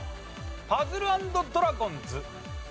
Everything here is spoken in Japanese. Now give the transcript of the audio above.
『パズル＆ドラゴンズ』。